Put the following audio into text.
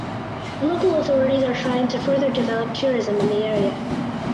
Local authorities are trying to further develop tourism in the area.